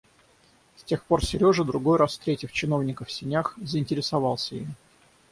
С тех пор Сережа, другой раз встретив чиновника в сенях, заинтересовался им.